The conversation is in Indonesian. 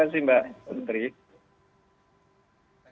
terima kasih mbak mbak mbak mbak mbak